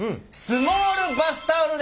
スモールバスタオル？